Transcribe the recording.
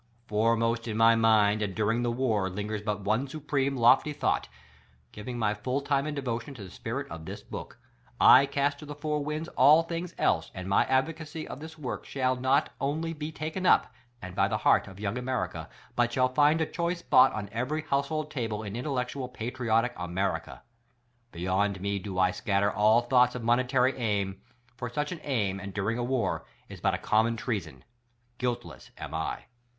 Foremost in my mind and during the WAR lingers but one supreme, lofty thought — giving my full time and devotion to the spirit of this book. I cast to the four winds all things else, and my advocacy of this work shall not only be taken up, and by the hciart of young America, but find a choice spot on every household table in intellectual, patriotic America. Beyond me do I scatter all thoughts of monetary aim; for such an aim, and during a WAR, is but common treason : Guiltless am I.